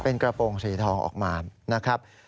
เป็นกระโปรงสีทองออกมานะครับ